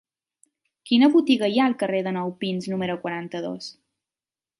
Quina botiga hi ha al carrer de Nou Pins número quaranta-dos?